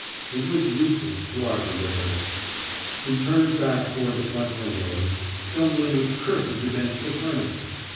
It was useless to argue with her. He turned back toward the front windows, stumbling with curses against the furniture.